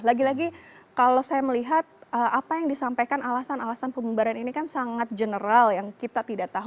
lagi lagi kalau saya melihat apa yang disampaikan alasan alasan pembubaran ini kan sangat general yang kita tidak tahu